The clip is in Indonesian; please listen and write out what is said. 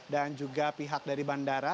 dan juga pihak dari bandara